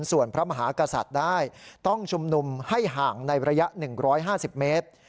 ส่วนพระมหากษัตริย์ได้ต้องชุมนุมให้ห่างในระยะ๑๕๐เมตร